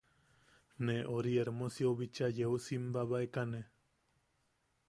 Ne ori Hermosiu bichaa yeu simbabaekane.